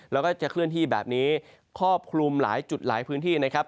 แล้วก็จะเคลื่อนที่แบบนี้ครอบคลุมหลายจุดหลายพื้นที่นะครับ